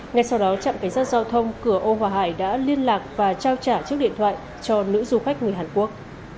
ngay sau đó trạm cảnh sát giao thông cửa âu hòa hải đã liên lạc và trao trả chiếc điện thoại cho nữ du khách người hàn quốc